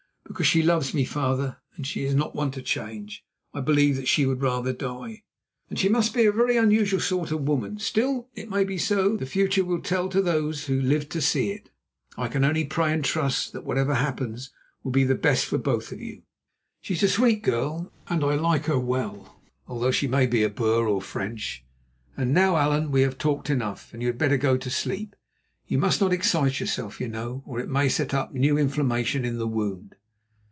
"Because she loves me, father, and she is not one to change. I believe that she would rather die." "Then she must be a very unusual sort of woman. Still, it may be so; the future will tell to those who live to see it. I can only pray and trust that whatever happens will be for the best for both of you. She is a sweet girl and I like her well, although she may be Boer—or French. And now, Allan, we have talked enough, and you had better go to sleep. You must not excite yourself, you know, or it may set up new inflammation in the wound."